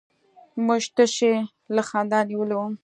موږ تشي له خندا نيولي وو.